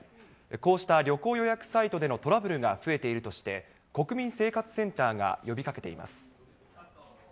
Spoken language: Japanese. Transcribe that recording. こうした旅行予約サイトでのトラブルが増えているとして、国民生活センターが呼びかけています。